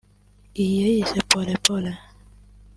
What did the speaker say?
Iyi yayise ‘Pole Pole’